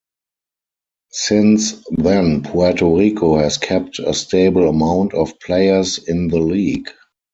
Since then Puerto Rico has kept a stable amount of players in the league.